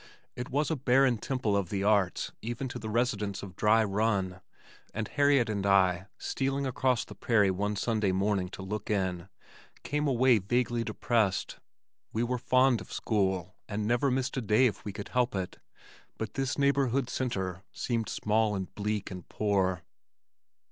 It was a barren temple of the arts even to the residents of Dry Run, and Harriet and I, stealing across the prairie one Sunday morning to look in, came away vaguely depressed. We were fond of school and never missed a day if we could help it, but this neighborhood center seemed small and bleak and poor.